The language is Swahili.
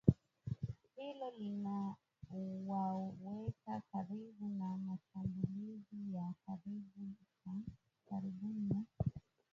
Hilo linawaweka karibu na mashambulizi ya karibuni ya